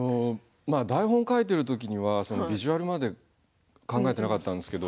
台本書いてるときにはビジュアルまで考えてなかったんですけど。